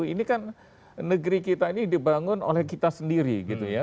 ini kan negeri kita ini dibangun oleh kita sendiri gitu ya